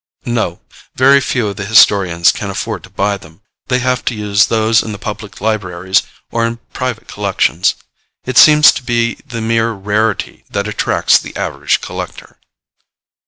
"No; very few of the historians can afford to buy them. They have to use those in the public libraries or in private collections. It seems to be the mere rarity that attracts the average collector."